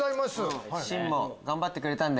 シンも頑張ってくれたんで。